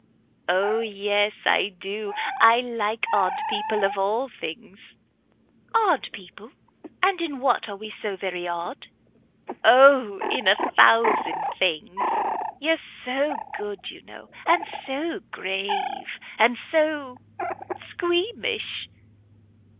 "O yes, I do! I like odd people of all things." "Odd people? and in what are we so very odd?" "O, in a thousand things. You're so good, you know, and so grave, and so squeamish."